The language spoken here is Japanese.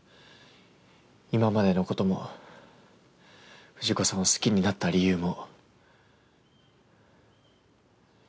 今までのことも藤子さんを好きになった理由も。